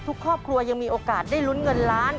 ครอบครัวยังมีโอกาสได้ลุ้นเงินล้าน